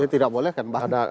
ini tidak boleh kan bang